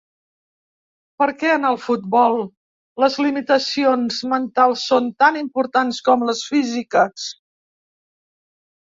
Perquè en el futbol, les limitacions mentals són tan importants com les físiques.